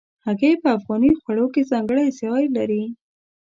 هګۍ په افغاني خوړو کې ځانګړی ځای لري.